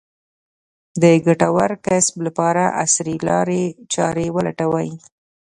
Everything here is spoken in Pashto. د ګټور کسب لپاره عصري لارې چارې ولټوي.